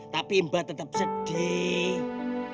tapi mbak tetap sedih